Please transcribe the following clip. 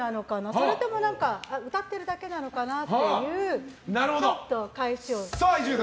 それとも歌ってるだけなのかなっていう返しを。